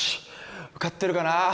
受かってるかな？